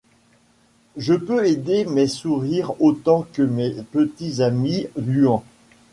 Je peux aider mais sourire autant que mes petits amis gluants.